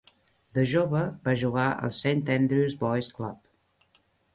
De jove, va jugar al Saint Andrew's Boys' Club.